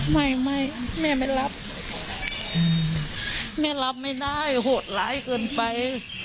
ไม่ไม่แม่ไม่รับแม่รับไม่ได้โหดร้ายเกินไป